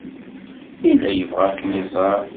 Yella yebɣa ad kem-iẓer.